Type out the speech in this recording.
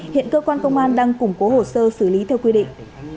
hiện cơ quan công an đang củng cố hồ sơ xử lý theo quy định